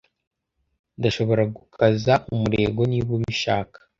Ndashobora gukaza umurego niba ubishaka